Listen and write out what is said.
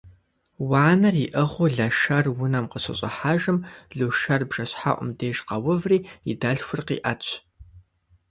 Уанэр иӏыгъыу Лашэр унэм къыщыщӏыхьэжым, Лушэр бжэщхьэӏум деж къэуври, и дэлъхур къиӏэтщ.